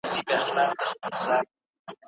سیاست پوهنه د ټولنې د پرمختګ معیار دی.